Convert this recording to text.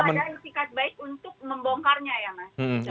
ada itikat baik untuk membongkarnya ya mas